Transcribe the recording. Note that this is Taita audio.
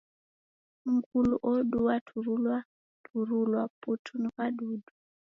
Mngulu odu waturulwa turulwa putu ni w'adudu.